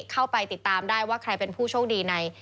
เข้าไปติดตามได้ว่าใครเป็นผู้โชคดีใน